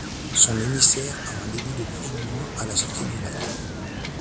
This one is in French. Son émissaire a un débit de plus ou moins à la sortie du lac.